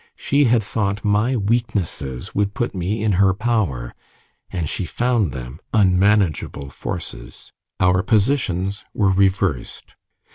She had thought my weaknesses would put me in her power, and she found them unmanageable forces. Our positions were reversed.